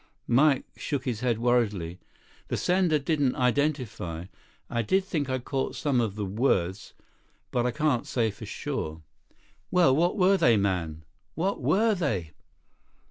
Mike shook his head worriedly. "The sender didn't identify. I did think I caught some of the words, but I can't say for sure—" "Well, what were they, man? What were they?"